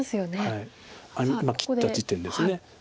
今切った時点です。